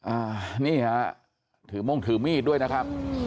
อ่านี่ฮะถือมงถือมีดด้วยนะครับ